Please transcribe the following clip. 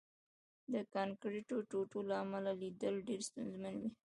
د کانکریټو ټوټو له امله لیدل ډېر ستونزمن وو